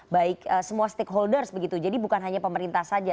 baik semua stakeholders begitu jadi bukan hanya pemerintah saja